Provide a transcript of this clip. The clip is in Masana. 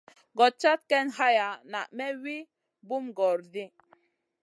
Gòd cad ken haya na may wi bum gòoro ɗi.